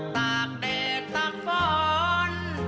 ตากแดดตากฝน